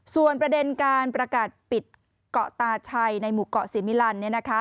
ส่วนประเด็นการประกาศปิดเกาะตาชัยในหมู่เกาะสิมิลัน